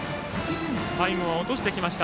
最後は落としてきました。